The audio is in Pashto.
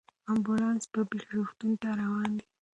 امبولانس په بیړه روغتون ته روان دی.